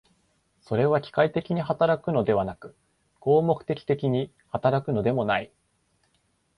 それは機械的に働くのではなく、合目的的に働くのでもない。